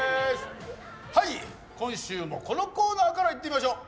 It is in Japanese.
はい今週もこのコーナーからいってみましょう。